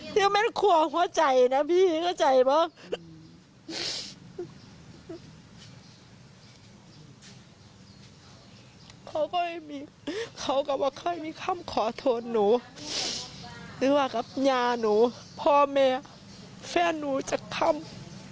แฟนหนูจะทำ